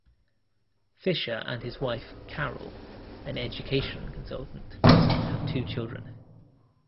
Fisher and his wife, Carol, an education consultant, have two children.